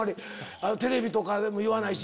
テレビとかでも言わないし。